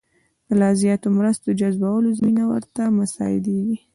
لا زیاتو مرستو جذبولو زمینه ورته مساعدېږي.